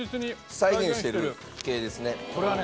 再現してる系ですね。